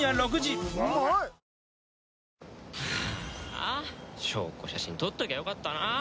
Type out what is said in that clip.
ああ証拠写真撮っときゃよかったなあ。